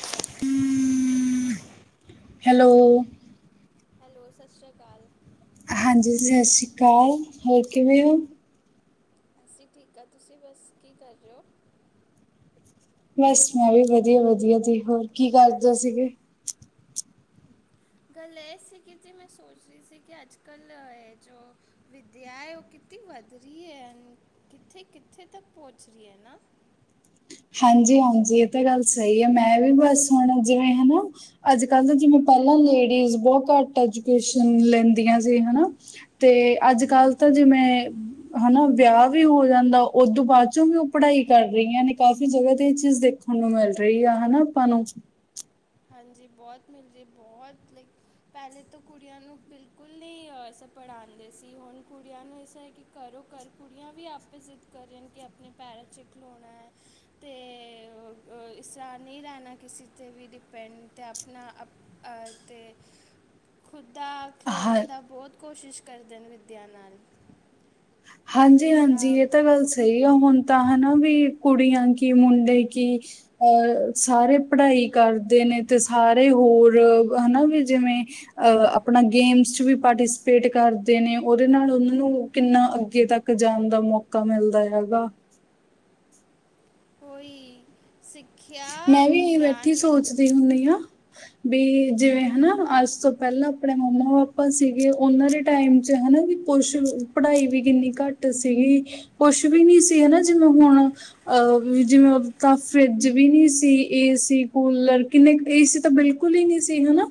ਕਾਲ hello! Hello, ਸਤਿ ਸ਼੍ਰੀ ਅਕਾਲ। ਹਾਂਜੀ ਜੀ ਸਤਿ ਸ਼੍ਰੀ ਅਕਾਲ। ਹੋਰ ਕਿਵੇਂ ਓ? ਜੀ ਠੀਕ ਆ, ਤੁਸੀਂ ਬਸ ਕੀ ਕਰ ਰਹੇ ਓ? ਬਸ ਮੈਂ ਵੀ ਵਧੀਆ- ਵਧੀਆ ਜੀ, ਹੋਰ ਕੀ ਕਰਦੇ ਸੀਗੇ? ਗੱਲ ਇਹ ਸੀ ਕਿ ਜੇ ਮੈਂ ਸੋਚਦੀ ਸੀ ਕਿ ਅੱਜ- ਕੱਲ੍ਹ ਹੈ ਜੌ ਵਿੱਦਿਆ ਉਹ ਕਿੱਥੇ ਵਧ ਰਹੀ ਐ, ਕਿੱਥੇ -ਕਿੱਥੇ ਤੱਕ ਪਹੁੰਚ ਰਹੀ ਹੈ ਨਾ। ਹਾਂਜੀ -ਹਾਂਜੀ ਇਹ ਤਾਂ ਗੱਲ ਸਹੀ ਹੈ ਮੈਂ ਵੀ ਬਸ ਹੁਣ ਜਿਵੇਂ ਹਨਾ ਅੱਜ -ਕੱਲ੍ਹ ਤਾਂ ਜਿਵੇਂ ਪਹਿਲਾਂ ਲੇਡੀਜ਼ ਬਹੁਤ ਘੱਟ ਐਜੂਕੇਸ਼ਨ ਲੈਂਦੀਆਂ ਸੀ ਹਨਾ ਤੇ ਅੱਜ -ਕੱਲ ਤਾਂ ਹਾਂਜੀ ਜਿਵੇਂ ਹਨਾ ਵਿਆਹ ਵਿਆਹ ਵੀ ਹੋ ਜਾਂਦਾ ਉਦੋਂ ਬਾਅਦ ਚੋਂ ਵੀ ਉਹ ਪੜ੍ਹਾਈ ਕਰ ਰਹੀਆਂ ਨੇ। ਕਾਫ਼ੀ ਜਗ੍ਹਾ ਤੇ ਇਹ ਚੀਜ਼ ਦੇਖਣ ਨੂੰ ਮਿਲ ਰਹੀ ਆ ਹਨਾ ਆਪਾਂ ਨੂੰ। ਹਾਂਜੀ ਬਹੁਤ ਮਿਲ ਰਹੀਆ ਬਹੁਤ ਪਹਿਲੇ ਤਾਂ ਕੁੜੀਆਂ ਨੂੰ ਬਿਲਕੁਲ ਨਹੀਂ ਅਸ ਪੜ੍ਹਾਉਂਦੇ ਸੀ। ਹੁਣ ਕੁੜੀਆਂ ਨੂੰ ਇਸ ਹੈ ਕਿ ਕਰੋ ਘਰ ਕੁੜੀਆਂ ਵੀ ਆਪਸ ਜ਼ਿੱਦ ਕਰਣ ਕਿ ਆਪਣੇ ਪੈਰਾਂ ਚ ਖਲੋਣੈ। ਤੇ ਇਸਰਾ ਨਹੀਂ ਰਹਿਣਾ ਕਿਸੇ ਤੇ ਵੀ ਭਿਪੈੱਡ ਆਪਣਾ ਅ ਅਤੇ ਖੁਦਾ ਹਾਂ ਖਿਲੌਣੇ ਦਾ ਬਹੁਤ ਕੋਸ਼ਿਸ਼ ਕਰਦੇ ਨੇ ਵਿੱਦਿਆ ਨਾਲ। ਇਸ ਹਾਂਜੀ-ਹਾਂਜੀ ਤਰ੍ਹਾਂ ਇਹ ਤਾਂ ਗੱਲ ਸਹੀ ਆ ਹੁਣ ਤਾਂ ਹਨਾ ਵੀ ਕੁੜੀਆਂ ਕੀ ਮੁੰਡੇ ਕੀ। ਅ ਸਾਰੇ ਪੜ੍ਹਾਈ ਕਰਦੇ ਨੇ ਤੇ ਸਾਰੇ ਹੋਰ ਹਨਾ ਵੀ ਜਿਵੇਂ ਅ ਆਪਣਾ ਗੇਮਸ ਚ ਵੀ ਪਾਰਟੀਸਪੇਟ ਕਰਦੇ ਨੇ ਉਹਦੇ ਨਾਲ ਉਹਨਾਂ ਨੂੰ ਕਿੰਨਾ ਅੱਗੇ ਤੱਕ ਜਾਣ ਦਾ ਮੌਕਾ ਮਿਲਦਾ ਹੈਗਾ। ਕੋਈ ਸਿੱਖਿਆ ਮੈਂ ਵੀ ਬੈਠੀ ਗਿਆਨ ਵਿ ਸੋਚਦੀ ਹੁੰਨੀ ਹਾਂ ਬੀ ਜਿਵੇਂ ਹਨਾ ਹਾਂਜੀ ਅੱਜ ਤੋਂ ਪਹਿਲਾਂ ਆਪਣੇ ਮੰਮਾ ਪਾਪਾ ਸੀਗੇ ਉਹਨਾਂ ਦੇ ਟਾਈਮ ਚ ਹਨਾ ਵੀ ਕੁਛ ਪੜ੍ਹਾਈ ਵੀ ਕਿੰਨੀ ਘੱਟ ਸੀਗੀ। ਕੁਛ ਵੀ ਨੀ ਸੀ ਹਨਾ ਜਿਵੇਂ ਹੁਣ ਅ ਜਿਵੇਂ ਤਾਂ ਫਿਰ ਕੂਜ ਵੀ ਨੀ ਸੀ ਏਸੀ ਕੂਲਰ ਕਿੰਨੇ ਕੁ ਏਸੀ ਤਾਂ ਬਿਲਕੁਲ ਹੀ ਨਹੀਂ ਸੀ ਹਨਾ।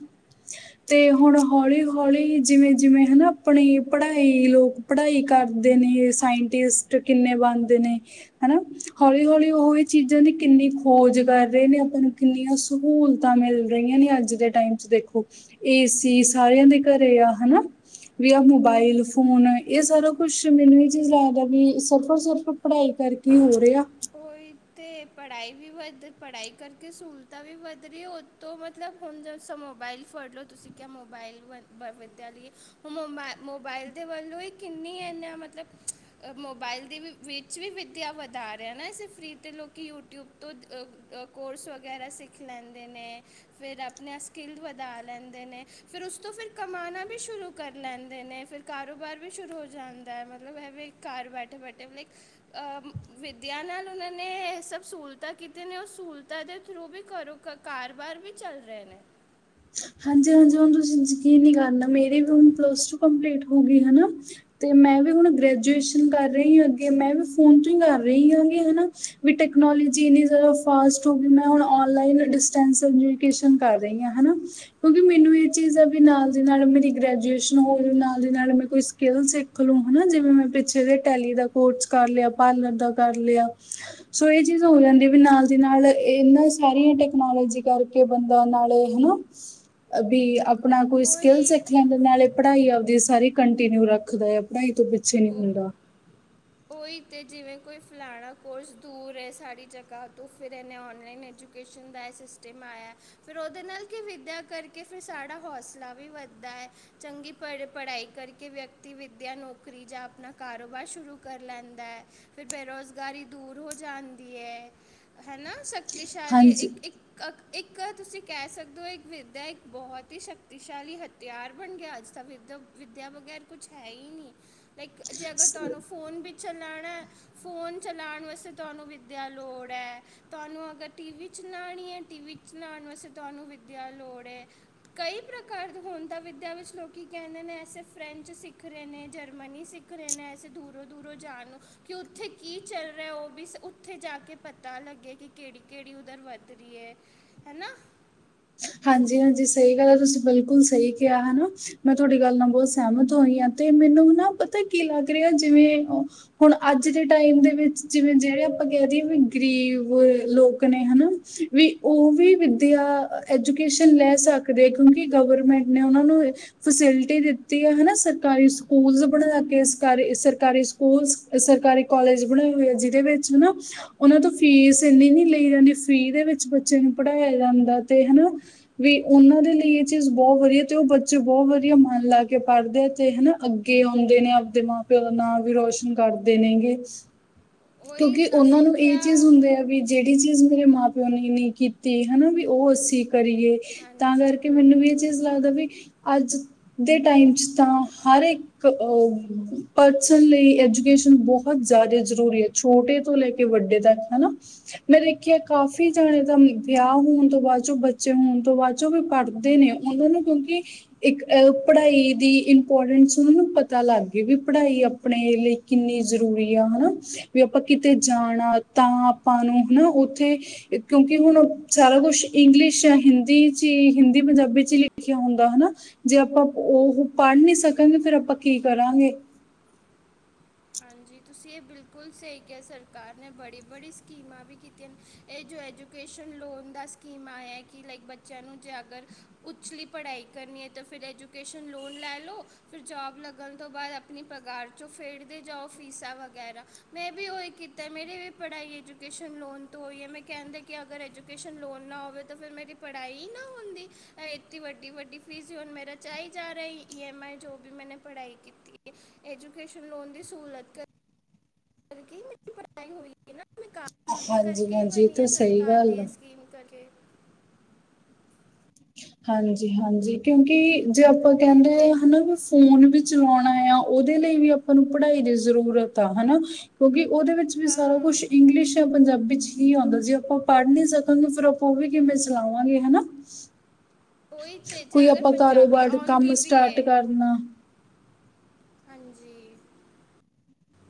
ਤੇ ਹੁਣ ਹਾਂਜੀ ਹੌਲੀ-ਹੌਲੀ ਜਿਵੇਂ-ਜਿਵੇਂ ਹਨਾ ਆਪਣੀ ਪੜ੍ਹਾਈ ਲੋਕ ਪੜ੍ਹਾਈ ਕਰਦੇ ਨੇ ਸਾਇੰਟਿਸਟ ਕਿੰਨੇ ਬਣਦੇ ਨੇ। ਹਨਾ ਹੌਲੀ-ਹੌਲੀ ਉਹਹੀ ਚੀਜ਼ਾਂ ਦੀ ਕਿੰਨੀ ਖੋਜ਼ ਕਰ ਰਹੇ ਨੇ ਆਪਾਂ ਨੂੰ ਕਿੰਨੀਆਂ ਸਹੂਲਤਾਂ ਮਿਲ ਰਹੀਆਂ ਨੇ ਅੱਜ ਦੇ ਟਾਈਮ ਚ ਦੇਖੋ। ਏ ਸੀ ਸਾਰਿਆਂ ਦੇ ਘਰੇ ਆ ਹਨਾ। ਵੀ ਆਹ ਮੋਬਾਇਲ ਫੋਨ ਇਹ ਸਾਰਾ ਮੈਨੂੰ ਇਹ ਚੀਜ਼ ਲੱਗਦਾ ਵੀ ਸਫਰ-ਸਫਰ [unintelligible] ਪੜ੍ਹਾਈ ਕਰਕੇ ਹੋ ਰਿਆ। ਉਹੀ ਤੇ ਪੜ੍ਹਾਈ ਵੀ ਵੱਧ ਪੜ੍ਹਾਈ ਕਰਕੇ ਸਹੂਲਤਾਂ ਵੀ ਵੱਧ ਰਹੀ ਤ ਮਤਲਬ ਹੁਣ ਜ ਮੋਬਾਇਲ ਫੜ ਲਓ ਤੁਸੀਂ ਕਿਆ ਮੋਬਾਇਲ [unintelligible] ਵਿਦਿਆ ਲਈ ਹ ਮੋਬਾਇ ਮੋਬਾਇਲ ਦੇ ਵੱਲੋਂ ਹੀ ਕਿੰਨੀ ਇਨਾਂ ਮਤਲਬ ਮੋਬਾਇਲ ਦੇ ਵਿੱਚ ਵੀ ਵਿੱਦਿਆ ਵਧਾ ਨਾ ਇਸੇ ਫ੍ਰੀ ਤੇ ਲੋਕ ਯੂਟਿਊਬ ਤੋਂ ਅਹ ਕੋਰਸ ਵਗੈਰਾ ਸਿੱਖ ਲੈਂਦੇ ਨੇ। ਫੇਰ ਆਪਣੇ ਸਕਿੱਲ ਵਧਾ ਲੈਂਦੇ ਨੇ ਫਿਰ ਉਸ ਤੋਂ ਫਿਰ ਕਮਾਉਣਾ ਵੀ ਸ਼ੁਰੂ ਕਰ ਲੈਂਦੇ ਨੇ। ਫੇਰ ਕਾਰੋਬਾਰ ਵੀ ਸ਼ੁਰੂ ਹੋ ਜਾਂਦਾ ਹੈ ਮਤਲਬ ਇਹਵੇਂ ਘਰ ਬੈਠੇ-ਬੈਠੇ ਲਾਈਕ ਵਿੱਦਿਆਲ [unintelligible] ਨਾਲ ਉਹਨਾਂ ਨੇ ਇਹ ਸਭ ਸਹੂਲਤਾਂ ਕੀਤੀਆਂ ਨੇ ਉਹ ਸਹੂਲਤਾਂ ਦੇ ਥਰੂ ਵੀ ਘਰੋਂ ਘ ਕਾਰਬਾਰ ਵੀ ਚੱਲ ਰਹੇ ਨੇ। ਹਾਂਜੀ-ਹਾਂਜੀ ਹੁਣ ਤੁਸੀਂ ਯਕੀਨ ਨਹੀਂ ਕਰਨਾ ਮੇਰੀ ਵੀ ਹੁਣ ਪਲਸ ਟੂ ਕੰਪਲੀਟ ਹੋਗੀ ਹਨਾ। ਤੇ ਮੈਂ ਵੀ ਹੁਣ ਗ੍ਰੈਜੂਏਸ਼ਨ ਕਰ ਰਹੀ ਹਾਂ ਅੱਗੇ ਮੈਂ ਵੀ ਫੋਨ ਤੋਂ ਹੀ ਕਰ ਰਹੀ ਹਾਂਗੀ ਹਨਾ। ਵੀ ਟੈਕਨੋਲੋਜੀ ਇੰਨੀ ਜ਼ਿਆਦਾ ਫਾਸਟ ਹੋ ਗਈ ਮੈਂ ਹੁਣ ਨਲਾਈਨ ਡਿਸਟੈਂਸ [unintelligible] ਕਰ ਰਹੀ ਹਾਂ ਹਨਾ। ਕਿਉਂਕਿ ਮੈਨੂੰ ਇਹ ਚੀਜ਼ ਦਾ ਵੀ ਨਾਲ ਦੇ ਨਾਲ ਮੇਰੀ ਗ੍ਰੈਜੂਏਸ਼ਨ ਹੋਜੇ ਨਾਲ ਦੀ ਨਾਲ ਮੈਂ ਕੋਈ ਸਕਿਲ ਸਿੱਖ ਲੋ ਹਨਾ ਜਿਵੇਂ ਮੈਂ ਪਿੱਛੇ ਦੇ ਟੈਲੀ ਦਾ ਕੋਟਸ ਕਰ ਲਿਆ, ਪਾਰਲਰ ਦਾ ਕਰ ਲਿਆ। ਸੋ ਇਹ ਚੀਜ਼ ਹੋ ਜਾਂਦੀ ਵੀ ਨਾਲ ਦੀ ਨਾਲ ਇਹਨਾਂ ਸਾਰੀਆਂ ਟੈਕਨੋਲੋਜੀ ਕਰਕੇ। ਕੇ ਬੰਦਾ ਨਾਲੇ ਹਨਾ ਵੀ ਆਪਣਾ ਕੋਈ ਸਕਿੱਲ ਉਹੀ ਸਿੱਖ ਲੈਂਦੇ ਨਾਲੇ ਪੜ੍ਹਾਈ ਆਪਦੀ ਸਾਰੀ ਕੰਟੀਨਿਊ ਰੱਖਦਾ ਆ ਪੜ੍ਹਾਈ ਤੋਂ ਪਿੱਛੇ ਨਹੀਂ ਉਹ- ਹੁੰਦਾ। ਉਹੀ ਤੇ ਜਿਵੇਂ ਕੋਈ ਫਲਾਣਾ ਕੋਰਸ ਦੂਰ ਸਡੀ ਜਗ੍ਹਾ ਤੋਂ ਫਿਰ ਇਹਨੇ ਓਨਲਾਈਨ ਐਜੂਕੇਸ਼ਨ ਦਾ ਇਹ ਸਿਸਟਮ ਆਇਆ ਫਿਰ ਉਹਦੇ ਨਾਲ ਕਿ ਵਿੱਦਿਆ ਕਰਕੇ ਫਿਰ ਸਾਡਾ ਹੌਸਲਾ ਵੀ ਵੱਧਦਾ ਹੈ। ਚੰਗੀ ਪੜ੍ਹ ਪੜ੍ਹਾਈ ਕਰਕੇ ਵਿਅਕਤੀ ਵਿੱਦਿਆ, ਨੌਕਰੀ ਜਾਂ ਆਪਣਾ ਕਾਰੋਬਾਰ ਸ਼ੁਰੂ ਕਰ ਲੈਂਦੈ, ਫਿਰ ਬੇਰੁਜ਼ਗਾਰੀ ਦੂਰ ਹੋ ਜਾਂਦੀ ਏ, ਹੈਨਾ? ਸ 'ਤੇ ਸ਼ਾਲੀ ਹਾਂਜੀ ਇੱਕ-ਇੱਕ। ਕ ਇੱਕਾ ਤੁਸੀਂ ਕੈਅ ਸਕਦੇ ਓ, ਇੱਕ ਵਿੱਦਿਆ, ਇੱਕ ਬੋਤ ਈ ਸ਼ਕਤੀਸ਼ਾਲੀ ਹ। ਤਿਆਰ ਬਨ ਗਿਆ, ਅੱਜ ਤਾਂ ਵਿਦ- ਵਿੱਦਿਆ ਬਗੈਰ ਕੁਛ ਹੈ ਈ ਨਈ, ਲਾਈਕ ਜੇ ਅਗਰ ਸ- ਤੁਹਾਨੂੰ ਫੋਨ ਪਿੱਛੇ ਲਾਣੈ, ਫੋਨ ਚਲਾਨ ਵਾਸਤੇ ਤੁਹਾਨੂੰ ਵਿੱਦਿਆ ਲੋੜ ਐ। ਤੁਹਾਨੂੰ ਅਗਰ ਟੀਵੀ ਚਲਾਨੀ ਏ, ਟੀਵੀ ਚਲਾਨ ਵਾਸਤੇ ਤੁਹਾਨੂੰ ਵਿੱਦਿਆ ਲੋੜ ਏ। ਕਈ ਪ੍ਰਕਾਰ ਦੇ ਹੁਨ ਤਾਂ ਵਿੱਦਿਆ ਵਿੱਚ ਲੋਕੀ ਕਹਿੰਦੇ ਨੇ, ਐਸੇ ਫਰੈਂਚ ਸਿੱਖ ਰਹੇ ਨੇ, ਜਰਮਨੀ ਸਿੱਖ ਕਰੇ ਨੈ ਐਸੇ ਦੂਰੋਂ ਦੂਰੋਂ ਜਾਨੋਂ। ਕਿ ਉੱਥੇ ਕੀ ਚੱਲ ਰੇਆ? ਉਹ ਵੀ ਉੱਥੇ ਜਾ ਕੇ ਪਤਾ ਲੱਗੇ ਕਿ ਕੇੜੀ- ਕੇੜੀ ਉੱਧਰ ਵੱਧ ਰੀ ਐ। ਹੈ ਨਾ? ਹਾਂਜੀ-ਹਾਂਜੀ, ਸਹੀ ਗੱਲ ਐ, ਤੁਸੀਂ ਬਿਲਕੁਲ ਸਹੀ ਕੇਆ ਹੈਨਾ? ਮੈਂ ਤੁਹਾਡੀ ਗੱਲ ਨਾਲ ਬੋਤ ਸਹਿਮਤ ਹੋਈ ਆ, 'ਤੇ ਮੈਨੂੰ ਨਾ ਪਤਾ ਕੀ ਲੱਗ ਰੇਆ, ਜਿਵੇਂ ਹੁਨ ਅੱਜ ਦੇ ਟੈਮ ਦੇ ਵਿੱਚ, ਜਿਵੇਂ ਜੇੜੇ ਆਪਾਂ ਕੈਅ ਦੀਏ ਵੀ ਗਰੀਬ ਲੋਕ ਨੇ, ਹਨਾ? ਵੀ ਉਹ ਵੀ ਵਿੱਦਿਆ, ਐਜੂਕੇਸ਼ਨ ਲੈ ਸਕਦੇ, ਕਿਉਂਕਿ ਗਵਰਮੈਂਟ ਨੇ ਉਨਾਂ ਨੂੰ ਫੈਸਿਲਿਟੀ ਦਿੱਤੀ ਆ, ਹੈਨਾ? ਸਰਕਾਰੀ ਸਕੂਲ ਬਨਾ ਕੇ, ਸਰਕਾਰੀ-ਸਰਕਾਰੀ। ਹੁਨ ਸ, ਸਰਕਾਰੀ ਕੋਲਜ ਬਨਾਏ ਹੋਏ ਆ, ਜਿਦੇ ਵਿੱਚ ਨਾ ਉਨਾਂ ਤੋਂ ਫੀਸ ਇੰਨੀ ਨਈ ਲਈ ਜਾਂਦੀ, ਫੀ ਦੇ ਵਿੱਚ ਬੱਚੇ ਨੂੰ ਪੜ੍ਹਾਇਆ ਜਾਂਦਾ, 'ਤੇ ਹੈਨਾ? ਵੀ ਉਨਾਂ ਦੇ ਲਈ ਇਹ ਚੀਜ਼ ਬੋਤ ਵਦੀਆ, 'ਤੇ ਉਹ ਬੱਚੇ ਬੋਤ ਵਦੀਆ ਮਨ ਲਾ ਕੇ ਪੜ੍ਹਦੇ, 'ਤੇ ਹੈਨਾ? ਅੱਗੇ ਔਂਦੇ ਨੇ, ਆਪਦੇ ਮਾਂ-ਪਿਓ ਦਾ ਨਾਂ ਵੀ ਰੋਸ਼ਨ ਕਰਦੇ ਨੇਗੇ। ਉਹੀ ਕਿਉਂਕਿ ਨਾ ਉਨਾਂ ਨੂੰ ਇਹ ਚੀਜ਼ ਸਿੱਖਿਆ ਹੁੰਦੀ ਆ, ਬਈ ਜੇੜੀ ਚੀਜ਼ ਮੇਰੇ ਮਾਂ- ਪਿਓ ਨੇ ਨਈ ਕੀਤੀ, ਹੈਨਾ, ਬਈ ਉਹ ਅਸੀਂ ਕਰੀਏ। ਤਾਂ ਹਾਂਜੀ ਕਰਕੇ ਮੈਨੂੰ ਵੀ ਇਹ ਬਿਲਕੁਲ ਚੀਜ਼ ਲੱਗਦਾ, ਬਈ, ਅੱਜ ਦੇ ਟਾਈਮ 'ਚ ਤਾਂ ਹਰ ਇੱਕ ਅਹ, ਪਰਸਨ ਲਈ ਐਜੂਕੇਸ਼ਨ ਬੋਤ ਜਾਦਾ ਜ਼ਰੂਰੀ ਐ ਛੋਟੇ ਤੋਂ ਲੈ ਕੇ ਵੱਡੇ ਤੱਕ, ਹੈਨਾ? ਮੈਂ ਦੇਖਿਐ, ਕਾਫ਼ੀ ਜਣੇ ਹਾਂਜੀ ਦਾ ਵਿਆਹ ਹੋਨ ਤੋਂ ਬਾਦ, 'ਚ ਬੱਚੇ ਹੋਨ ਤੋਂ ਬਾਦ ਜੋ ਵੀ ਪੜ੍ਹਦੇ ਨੇ, ਉਨਾਂ ਨੂੰ ਕਿਉਂਕਿ ਇੱਕ ਐਲ ਪੜ੍ਹਾਈ ਦੀ ਇੰਮਪੋਡੈਨਸ ਉਨਾਂ ਨੂੰ ਪਤਾ ਲੱਗ ਗੇ ਵੀ ਪੜ੍ਹਾਈ ਆਪਣੇ ਏ ਲਈ ਕਿੰਨੀ ਜ਼ਰੂਰੀ ਆ, ਹਨਾ? ਵੀ ਆਪਾਂ ਕਿਤੇ ਜਾਨਾ ਤਾਂ ਆਪਾਂ ਨੂੰ ਹਨਾ, ਓਥੇ। ਕਿਉਂਕਿ ਹੁਨ, ਸਾਰਾ ਕੁਛ ਇੰਗਲਿਸ਼ ਯਾ ਹਿੰਦੀ 'ਚ ਈ, ਹਿੰਦੀ- ਪੰਜਾਬੀ 'ਚ ਈ ਲਿਖਿਆ ਹੁੰਦਾ, ਹੈਨਾ? ਜੇ ਆਪਾਂ ਉਹ ਪੜ੍ਹ ਨੀ ਸਕਾਂਗੇ, ਹਾਂਜੀ ਫੇਰ ਆਪਾਂ ਕੀ ਕਰਾਂਗੇ। ਹਾਂਜੀ, ਤੁਸੀਂ ਇਹ ਬਿਲਕੁਲ ਸਹੀ ਕਿਹਾ ਸਰਕਾਰ ਨੇ, ਬੜੀ-ਬੜੀ ਸਕੀਮਾਂ ਵੀ ਕੀਤੀਆਂ ਨੇ। ਇਹ ਜੋ ਐਜੂਕੇਸ਼ਨ ਲੋਨ ਦਾ ਸਕੀਮ ਆਇਐ, ਕਿ ਲਾਈਕ ਬੱਚਿਆਂ ਨੂੰ ਜੇ ਅਗਰ ਉੱਚਲੀ ਪੜ੍ਹਾਈ ਕਰਨੀ ਏ ਤਾਂ ਫਿਰ ਐਜੂਕੇਸ਼ਨ ਲੋਨ ਲੈ ਲਓ। ਫਿਰ ਜੋਬ ਲੱਗਨ ਤੋਂ ਬਾਦ ਅਪਨੀ ਪਗਾਰ 'ਚੋਂ ਫੇਡਦੇ ਜਾਓ। ਫੀਸਾਂ ਵਗੈਰਾ, ਮੈਂ ਵੀ ਉਈ ਕੀਤਾ ਮੇਰੀ ਵੀ ਪੜ੍ਹਾਈ ਐਜੂਕੇਸ਼ਨ ਲੋਨ ਤੋਂ ਹੋਈ ਏ, ਮੈਂ ਕੈਂਦੀ ਕਿ ਅਗਰ ਐਜੂਕੇਸ਼ਨ ਲੋਨ ਨਾ ਹੋਵੇ ਤਾਂ ਫਿਰ ਮੇਰੀ ਪੜ੍ਹਾਈ ਈ ਨਾ ਹੁੰਦੀ। ਐ ਇਤੀ ਵੱਡੀ-ਵੱਡੀ ਫੀਸ ਜੋ ਹੋਨ, ਮੇਰਾ ਬਚਾਈ ਜਾ ਰਹੀ, ਈ, ਐਮ, ਆਈ, ਜੋ ਵੀ ਮੈਂਨੇ ਪੜ੍ਹਾਈ ਕੀਤੀ ਏ, ਐਜੂਕੇਸ਼ਨ ਲੋਨ ਦੀ ਸਹੂਲਤ। ਕ [unintelligible] ਰਿਕੀ, ਮੇਰੀ ਪੜ੍ਹਾਈ ਹੋਈ। ਨਾ, ਮੈਂ ਕਾਫ ਲੂਜੀ ਹਾਂਜੀ ਕਰਕੇ ਈ ਹਾਂਜੀ ਇਹ ਬਨੀ ਐ ਤਾਂ ਸਹੀ ਸਰਕਾਰ ਦੀ ਗੱਲ ਆ ਇਹ ਸਕੀਮ ਕਰਕੇ। ਹਾਂਜੀ-ਹਾਂਜੀ, ਕਿਉਂਕਿ ਜੇ ਆਪਾਂ ਤੇ ਕੈਂਦੇ ਆ ਦੇ ਹਨਾ, ਤੁਸੀਂ ਫੋਨ ਵੀ ਚਲਾਉਣਾ ਆ, ਓਦੇ ਲਈ ਵੀ ਆਪਾਂ ਨੂੰ ਪੜ੍ਹਾਈ ਦੀ ਜ਼ਰੂਰਤ ਆ, ਹਨਾ? ਕਿਉਂਕਿ ਓਦੇ ਵਿੱਚ ਵੀ ਸਾਰਾ ਹਾਂ ਕੁਛ ਇੰਗਲਿਸ਼ ਯਾ ਪੰਜਾਬੀ 'ਚ ਹੀ ਆਂਦਾ ਸੀਗਾ। ਆਪਾਂ ਪੜ੍ਹ ਨੀ ਸਕਾਂਗੇ, ਫਿਰ ਆਪਾਂ ਉਹ ਵੀ ਕਿਵੇਂ ਚਲਾਵਾਂਗੇ, ਹਨਾ? ਉਈ 'ਤੇ, ਜੇ ਕੋਈ ਅਗਰ ਆਪਾਂ ਪੰਜਾਬੀ ਕਾਰੋਬਾਰ ਕੰਮ ਆਂਦੀ ਵੀ ਏ ਸਟਾਰਟ ਕਰਨਾ ਹਾਂਜੀ।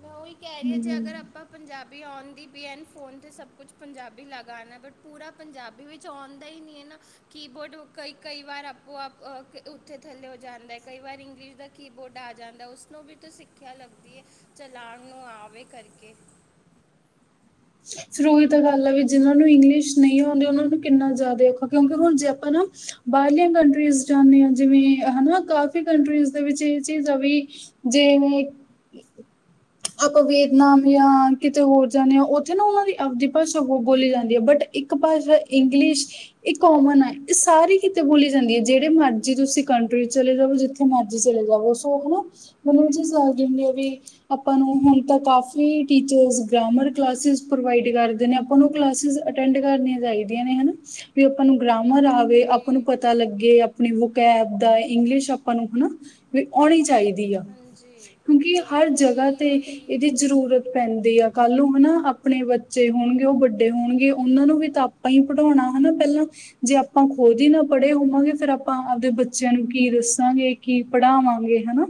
ਮੈਂ ਓਈ ਕੈ ਰਈ ਆ ਜੇ ਹਮ ਅਗਰ ਆਪਾਂ ਪੰਜਾਬੀ ਆਉਂਦੀ ਵੀ ਐਨ ਫੋਨ ਤੇ ਸਭ ਕੁਛ ਪੰਜਾਬੀ ਲੈ ਗਾਣਾ ਬਟ ਪੂਰਾ ਪੰਜਾਬੀ ਵਿੱਚ ਚਾਉਂਦਾ ਈ ਐ ਨਾ ਕੀਬੋਡ ਕਈ-ਕਈ ਵਾਰ ਆਪੋ ਆਪ ਓਥੇ ਥੱਲੇ ਹੋ ਜਾਂਦਾ ਏ। ਕਈ ਵਾਰ ਇੰਗਲਿਸ਼ ਦਾ ਕੀਬੋਰਡ ਆ ਜਾਂਦਾ ਏ ਉਸਨੂੰ ਵੀ ਤਾਂ ਸਿੱਖਿਆ ਲੱਗਦੀ ਐ। ਚਲਾਉਣ ਨੂੰ ਆਵੇ ਕਰਕੇ ਫਿਰ ਉਹੀ ਤਾਂ ਗੱਲ ਐ ਵੀ ਜਿਹਨਾਂ ਨੂੰ ਇੰਗਲਿਸ਼ ਨਈ ਆਉਂਦੀ ਓਨਾਂ ਨੂੰ ਕਿੰਨਾ ਜ਼ਿਆਦਾ ਔਖਾ ਕਿਉਂਕਿ ਹੁਣ ਜੇ ਆਪਾਂ ਨਾ ਬਾਰਲੀਆਂ ਕੰਟਰੀਜ਼ ਜਾਂਦੇ ਆ ਜਿਵੇਂ ਹਨਾ ਕਾਫੀ ਕੰਟਰੀਜ਼ ਦੇ ਵਿੱਚ ਏ ਚੀਜ਼ ਆ ਵੀ। ਜਿਵੇਂ, ਆਪਾਂ ਵੇਦਨਾਮ ਐ ਕਿਤੇ ਹੋਰ ਜਾਂਦੇ ਆ ਓ ਉੱਥੇ ਨਾ ਉਹਨਾਂ ਦੀ ਆਬਦੀ ਭਾਸ਼ਾ ਬੋਲੀ ਜਾਂਦੀ ਅ ਬਟ ਏਕ ਭਾਸ਼ਾ ਇੰਗਲਿਸ਼ ਏਹ ਕੋਮਨ ਐ ਏਹ ਸਾਰੀ ਕਿਤੇ ਬੋਲੀ ਜਾਂਦੀ ਏ ਜੇੜੇ ਮਰਜ਼ੀ ਤੁਸੀਂ ਕੰਟਰੀ ਚਲੇ ਜਾਵੋ ਜਿੱਥੇ ਜਿੱਥੇ ਮਰਜ਼ੀ ਚਲੇ ਜਾਵੋ ਸੋ ਹਨਾ ਮਨੂੰ ਓ ਚੀਜ਼ ਲਗਦੀ ਹੁੰਦੀ ਵੀ ਆਪਾਂ ਨੂੰ ਹੁਣ ਤਾਂ ਕਾਫੀ ਟੀਚਰਜ ਗ੍ਰਾਮਰ ਕਲਾਸਿਜ ਪ੍ਰੋਵਾਇਡ ਕਰਦੇ ਨੇ ਆਪਾਂ ਨੂੰ ਕਲਾਸਿਜ ਅਟੈਂਡ ਕਰਨੀਆਂ ਚਾਈਦੀਆਂ ਨੇ ਹਨਾ ਵੀ ਆਪਾਂ ਨੂੰ ਗ੍ਰਾਮਰ ਆਵੇ ਆਪਾਂ ਨੂੰ ਹਾਂਜੀ ਪਤਾ ਲੱਗੇ ਆਪਣੇ ਵੋਕੈਬ ਦਾ ਇੰਗਲਿਸ਼ ਆਪਾਂ ਨੂੰ ਹਨਾ ਵੀ ਆਉਣੀ ਚਾਈਦੀ ਆ ਹਾਂਜੀ ਕਿਉਂਕਿ ਹਰ ਜਗ੍ਹਾ ਉਹੀ ਤੇ ਉਹੀ ਏਦੀ ਜ਼ਰੂਰਤ ਪੈਂਦੀ ਐ ਕੱਲ ਨੂੰ ਹਨਾ ਆਪਣੇ ਬੱਚੇ ਹੋਣਗੇ ਉਹ ਵੱਡੇ ਹੋਣਗੇ ਓਨਾਂ ਨੂੰ ਵੀ ਤਾਂ ਆਪਾਂ ਪੜ੍ਹਾਉਣਾ ਹਨਾ ਪੈਲਾਂ ਜੇ ਆਪਾਂ ਖੁਦ ਈ ਨਾ ਪੜ੍ਹੇ ਹੋਵਾਂਗੇ ਫੇਰ ਆਪਾਂ ਆਬਦੇ ਬੱਚਿਆਂ ਨੂੰ ਕੀ ਦੱਸਾਂਗੇ। ਕੀ ਪੜ੍ਹਾਵਾਂਗੇ ਹਨਾ।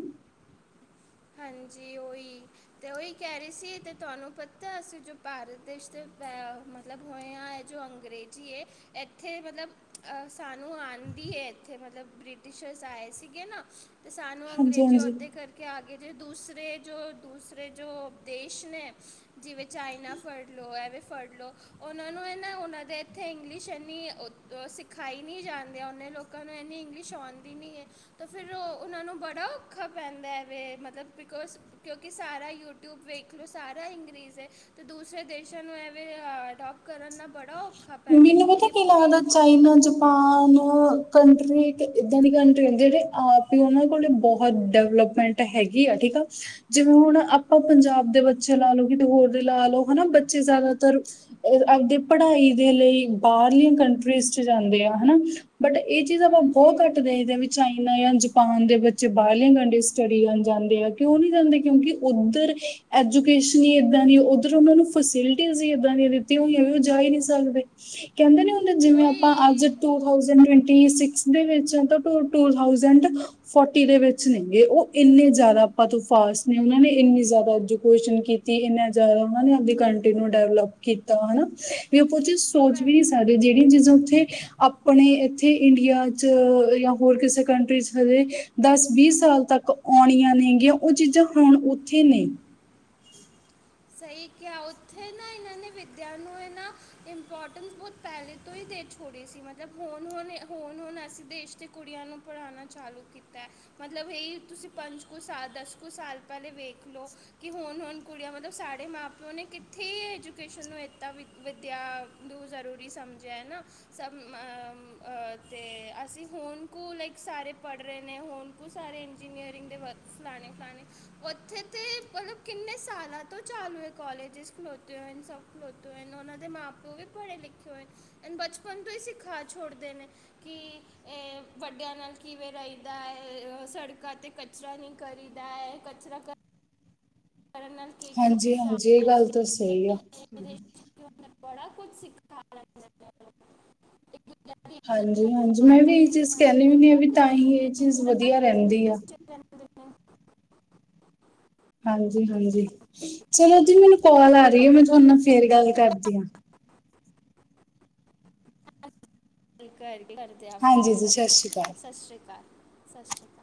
ਹਾਂਜੀ ਓ ਈ। ਤੇ ਉਈ ਕੈ ਰਈ ਸੀ ਤੇ ਤੁਆਨੂੰ ਪਤਾ ਅਸੀ ਜੋ ਪਾਰਤ ਦੇਸ਼ ਦੇ [unintelligible] ਮਤਲਬ ਹੋਏਯਾ ਐ ਜੋ ਅੰਗਰੇਜ਼ੀ ਏ ਏਥੇ ਮਤਲਬ ਅਹ ਸਾਨੂੰ ਆਂਦੀ ਏ ਏਥੇ ਮਤਲਬ ਬ੍ਰਿਟਿਸ਼ਰਸ ਆਏ ਸੀਗੇ ਨਾ। ਤੇ ਸਾਨੂੰ ਹਾਂਜੀ ਅੰਗਰੇਜ਼ੀ ਹਾਂਜੀ ਓਦੇ ਕਰਕੇ ਆ ਗੇ ਜੇ ਦੂਸਰੇ ਜੋ ਦੂਸਰੇ ਜੋ ਦੇਸ਼ ਨੇ ਜਿਵੇਂ ਚਾਈਨਾ ਫੜ ਲਓ ਐਵੇ ਫੜ ਲੋ ਓਨਾਂ ਨੂੰ ਏ ਨਾ ਓਨਾਂ ਦੇ ਏਥੇ ਇੰਗਲਿਸ਼ ਏਨੀ ਸਿਖਾਈ ਨੀ ਜਾਂਦੇ ਓਨੇ ਲੋਕ ਲੋਕਾਂ ਨੂੰ ਏਨੀ ਇੰਗਲਿਸ਼ ਆਉਂਦੀ ਨੀ ਐ ਤਾਂ ਫੇਰ ਓਨਾਂ ਨੂੰ ਬੜਾ ਔਖਾ ਪੈਂਦਾ ਐ ਵੇ ਮਤ ਮਤਲਬ ਬਿਕੋਜ਼ ਕਿਉਂਕਿ ਸਾਰਾ ਯੂਟਿਊਬ ਵੇਖ ਲਓ ਸਾਰਾ ਅੰਗਰੇਜ਼ ਐ ਦੂਸਰੇ ਦੇਸ਼ਾਂ ਨੂੰ ਐਵੇਂ ਅਡੋਪ ਕਰਨ ਦਾ ਬੜਾ ਔ ਮੈਨੂੰ ਪਤਾ ਕੀ ਲੱਗਦਾ ਚਾਈਨਾ ਚ ਪਾਨ ਕੰਟਰੀ ਏਕ ਏਦਾਂ ਦੀ ਕੰਟਰੀ ਹੁੰਦੀ ਏ ਕਿ ਜਿਹੜੇ ਆਪਾਂ ਨੂੰ ਓਨਾਂ ਕੋਲ ਬੋਤ ਡਿਵਲਪਮੈਂਟ ਤਾਂ ਹੈਗੀ ਆ ਠੀਕ ਆ ਜਿਵੇਂ ਹੁਣ ਆਪਾਂ ਪੰਜਾਬ ਦੇ ਬੱਚੇ ਲਾ ਲਓ ਕਿਤੇ ਹੋਰ ਦੇ ਲਾ ਲਓ ਹਨਾ ਬੱਚੇ ਜ਼ਿਆਦਾਤਰ ਓ ਅਵਦੀ ਪੜ੍ਹਾਈ ਦੇ ਲਈ ਬਾਰਲੀਆਂ ਕੰਟਰੀਜ਼ ਚ ਜਾਂਦੇ ਆ ਹਨਾ ਬਟ ਐ ਚੀਜ਼ ਆਪਾਂ ਬੋਤ ਹਾਂਜੀ ਕੱਟ ਦੇਖਦੇ ਆ ਵੀ ਚਾਈਨਾ ਜਾਂ ਜਪਾਨ ਦੇ ਬੱਚੇ ਬਾਰਲੀ ਕੰਟਰੀਜ ਚ ਸਟੱਡੀ ਕਰਨ ਜਾਂਦੇ ਆ ਕਿਉਂ ਨੀ ਜਾਂਦੇ ਕਿਉਂਕਿ ਓਧਰ ਐਜੂਕੇਸ਼ਨ ਈ ਏਦਾਂ ਦੀ ਓਧਰ ਓਨਾਂ ਨੂੰ ਫਸਿਲਟੀਜ਼ ਹੀ ਏਦਾਂ ਦੀ ਦਿੱਤੀਆਂ ਹੋਈਆਂ ਨੇ ਓ ਜਾਈ ਨੀ ਸਕ ਸਕਦੇ, ਕੈਂਦੇ ਨੀ ਹੁੰਦੇ ਜਿਵੇਂ ਆਪਾਂ ਉਹੀ ਅੱਜ ਤੋਂ ਥਾਂਉਜਿਟ ਟਵਾਟੀ ਛੇਕਸ ਦੇ ਵਿੱਚ ਤਾਂ ਟੂ-ਟੂ ਥਾਂਉਜਿਟ ਫੌਟੀ ਦੇ ਵਿੱਚ ਨੇ ਗੇ ਓ ਏਨੇ ਜਾਦਾ ਆਪਾਂ ਤੋਂ ਫਾਸਟ ਨੇ ਓਨਾਂ ਨੇ ਏਨੀ ਜਾਦਾ ਐਜੂਕੇਸ਼ਨ ਕੀਤੀ ਜੇ ਏਨਾ ਜਾਦਾ ਓਨਾਂ ਨੇ ਆਪਦੀ ਕੰਟਰੀ ਨੂੰ ਡਿਵਲਪ ਕੀਤਾ ਹਨਾ ਵੀ ਆਪਾਂ ਕੁਝ ਹਵਾ ਸੋਚ ਹੈ। ਵੀ ਨੀ ਸਕ ਕਦੇ ਦੇ ੜੀ ਚੀਜ਼ ਉੱਥੇ ਆਪਣੇ ਏਥੇ ਇੰਡੀਆ ਚ ਜਾਂ ਹੋਰ ਕਿਸੇ ਕੰਟਰੀ ਚ ਹਜੇ ਦਸ ਵੀਹ ਸਾਲ ਤੱਕ ਆਉਣੀਆਂ ਨੇਗੀਆਂ ਉਹ ਚੀਜ਼ਾਂ ਹੁਣ ਉੱਥੇ ਨੇ ਸਹੀ ਕਿਹਾ ਉੱਥੇ ਨਾ ਇਹਨਾਂ ਨੇ ਵਿਦਿਆ ਨੂੰ ਇਹਨਾਂ ਇਮਪੋਰਟੈਂਸ ਬਹੁਤ ਪਹਿਲੇ ਤੋਂ ਹੀ ਦੇ ਛੋੜੇ ਸੀ ਮੈਂ ਕਿਹਾ ਹੁਣ, ਹੁਣ, ਹੁਣ, ਹੁਣ, ਅਸੀਂ ਦੇਸ਼ ਦੇ ਕੁੜੀਆਂ ਨੂੰ ਪੜਾਣਾ ਚਾਲੂ ਕੀਤਾ ਮਤਲਬ ਇਹੀ ਤੁਸੀਂ ਪੰਜ ਕੁ ਸਾਲ ਦਸ ਕੁ ਸਾਲ ਪਹਿਲੇ ਵੇਖ ਲਓ। ਕਿ ਹੁਣ-ਹੁਣ ਕੁੜੀਆਂ ਮਤਲਬ ਸਾਡੇ ਮਾਂ ਪਿਓ ਨੇ ਕਿੱਥੇ ਐਜੂਕੇਸ਼ਨ ਇੱਦਾਂ ਵਿਦਿਆ ਨੂੰ ਜ਼ਰੂਰੀ ਸਮਝਿਆ ਐ ਨਾ ਸਭ ਆ ਆ ਤੇ ਅਸੀਂ ਹੁਣ ਕੁ ਲਾਈਕ ਸਾਰੇ ਪੜ ਰਹੇ ਨੇ ਹੁਣ ਉਹ ਸਾਰੇ ਇੰਜਨੀਅਰ ਦੇ ਵਰਕ ਫਲਾਣੇ- ਫਲਾਣੇ ਉੱਥੇ ਤੇ ਪਰ ਕਿਨੇ ਸਾਲ ਤੋਂ ਚਾਲੂ ਹੈ ਕੌਲੇਜਿਸ ਖਲੋਤੇ ਹੋਏ ਹਨ ਸਭ ਖਲੋਤੇ ਹੋਏ ਉਹਨਾਂ ਦੇ ਮਾਂ ਪਿਓ ਵੀ ਪੜੇ ਲਿਖੇ ਹੋਏ ਐਣ ਬਚਪਨ ਤੋਂ ਹੀ ਸਿਖਾਂ ਛੋੜਦੇ ਨੇ ਕਿ ਇਹ ਵੱਡਿਆਂ ਨਾਲ ਕਿਵੇਂ ਰਹੀਦਾ ਹੈ ਸੜਕਾਂ ਤੇ ਕਚਰਾ ਨਹੀਂ ਕਰੀਦਾ ਐ ਕਚਰਾ ਕਰ ਕਰਨ ਨਾਲ ਹਾਂਜੀ- ਨੁਕਸਾਨ ਹਾਂਜੀ ਇਹ ਗੱਲ ਤਾਂ ਸਹੀ ਆ ਉਨੇ ਬੜਾ ਕੁਝ ਸਿਖਾਇਆ ਦੀ ਇੱਜ਼ਤ ਹਾਂਜੀ- ਹਾਂਜੀ ਕਰਨਾ ਮੈਂ ਵੀ ਸਾਫ ਇਹੀ ਚੀਜ਼ ਸਫਾਈ ਕਹਿਣੀ ਆ ਕਰਨਾ ਵੀ ਤਾਂ ਹੀ ਇਹ ਡਿਸਪਲਿਨ ਚੀਜ਼ ਪੂਰਾ ਵਧੀਆ ਰਹਿੰਦੀ ਆ। ਡਿਸਪਲਿਨ ਚ ਰਹਿੰਦੇ ਨੇ ਹਾਂਜੀ- ਹਾਂਜੀ ਚਲੋ ਜੀ ਮੈਨੂੰ ਕੋਲ ਆ ਰਹੀ ਹੈ ਮੈਂ ਤੁਹਾਨੂੰ ਫਿਰ ਗੱਲ ਕਰਦੀ ਗੱਲ ਕਰ ਕਰਦੇ ਆ ਫਿਰ ਹਾਂਜੀ ਜੀ ਸਤਿ ਚਲੋ ਸ਼੍ਰੀ ਠੀਕ ਅਕਾਲ ਐ ਸਤਿ ਸ਼੍ਰੀ ਅਕਾਲ ਸ਼੍ਰੀ